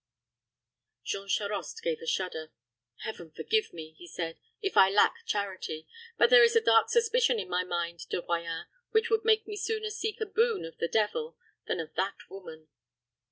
Jean Charost gave a shudder. "Heaven forgive me," he said, "if I lack charity. But there is a dark suspicion in my mind, De Royans, which would make me sooner seek a boon of the devil than of that woman."